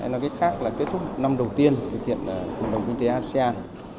nói cách khác là kết thúc năm đầu tiên thực hiện cộng đồng kinh tế asean